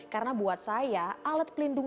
karena buat saya alat pelindung